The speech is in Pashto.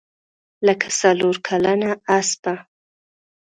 لکه څلورکلنه اسپه.